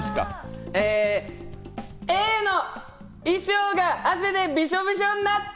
Ａの衣装が汗でびしょびしょになった！